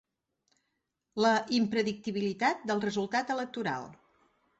La impredictibilitat del resultat electoral.